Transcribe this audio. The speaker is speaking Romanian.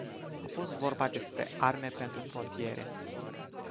A fost vorba despre arme pentru frontiere.